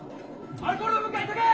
アルコールの分解急げ！